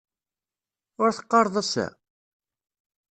Ur teqqareḍ ass-a?